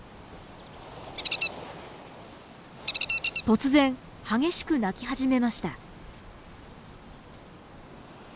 突然激しく鳴き始めました。